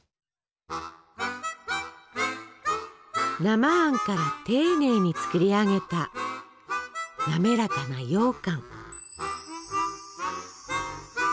生あんから丁寧に作り上げた滑らかなようかん。